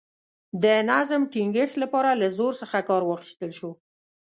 د نظم ټینګښت لپاره له زور څخه کار واخیستل شو.